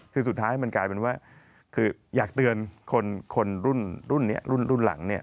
คือสุดท้ายมันกลายเป็นว่าคืออยากเตือนคนรุ่นนี้รุ่นหลังเนี่ย